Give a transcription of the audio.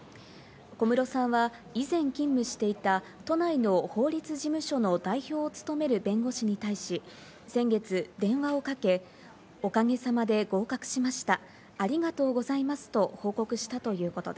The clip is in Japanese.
小室さんは以前、勤務していた都内の法律事務所の代表を務める弁護士に対し、先月電話をかけ、おかげさまで合格しました。